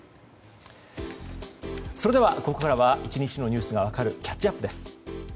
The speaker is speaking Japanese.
それでは、ここからは１日のニュースが分かるキャッチアップです。